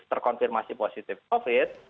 terkonfirmasi positif covid